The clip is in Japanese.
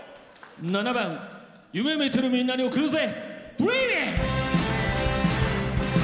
７番夢みてるみんなに送るぜ！